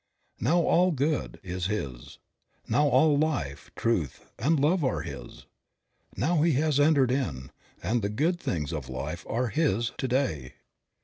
Now, all good is his; now, all life, truth and love are his; now, he has entered in, and the good things of life are his to day.